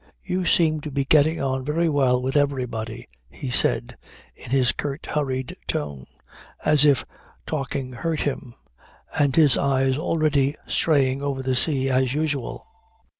You seem to be getting on very well with everybody," he said in his curt hurried tone, as if talking hurt him, and his eyes already straying over the sea as usual.